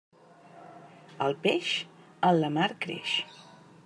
El peix, en la mar creix.